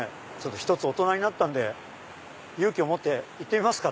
一つ大人になったんで勇気を持って行ってみますか。